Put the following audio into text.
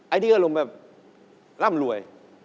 ที่อารมณ์แบบร่ำรวย